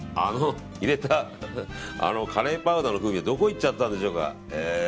入れたカレーパウダーの風味はどこいっちゃったんでしょうか。